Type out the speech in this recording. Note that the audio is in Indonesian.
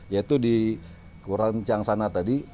yaitu di kelurahan ciansana tadi